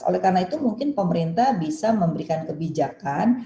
oleh karena itu mungkin pemerintah bisa memberikan kebijakan